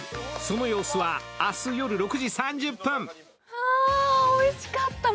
あ、おいしかった。